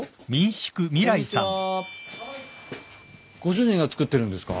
ご主人が造ってるんですか？